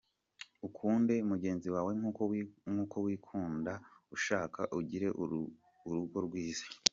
Ukunde mugenzi wawe nk’uko wikunda uzashaka ugire urugo rwiza.